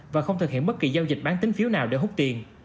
và không thực hiện bất kỳ giao dịch bán tính phiếu nào để hút tiền